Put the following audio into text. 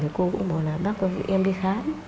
thì cô cũng bảo là bác ơi em đi khám